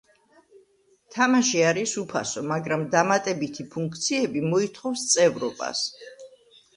თამაში არის უფასო მაგრამ დამატებითი ფუნქციები მოითხოვს წევრობას.